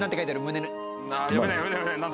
胸。